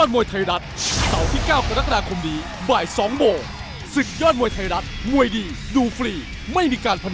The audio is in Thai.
โปรดติดตามตอนต่อไป